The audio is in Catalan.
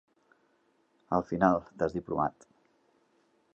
Al final, t'has diplomat.